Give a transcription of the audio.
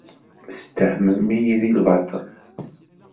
Ttehmen-iyi deg lbaṭel.